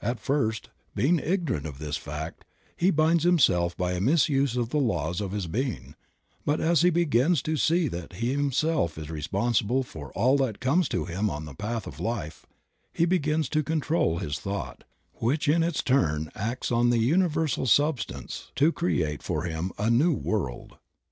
At first, being ignorant of this fact, he binds himself by a misuse of the laws of his being; but as he begins to see that he himself is responsible for all that comes to him on the path of life, he begins to control his thought, which in its turn acts on the universal sustance to create for him a new world.